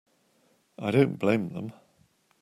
I don't blame them.